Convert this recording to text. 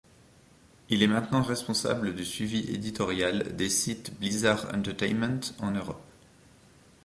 Il est maintenant responsable du suivi éditorial des sites Blizzard Entertainment en Europe.